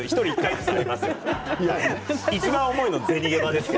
いちばん重いのは銭ゲバですよ。